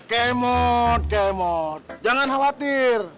kemot kemot jangan khawatir